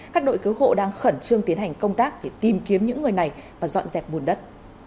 các đội cứu hộ đang khẩn trương tiến hành công tác để tìm kiếm những người này và dọn dẹp bùn đất